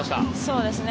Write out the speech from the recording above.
そうですね。